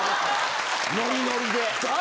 ノリノリで。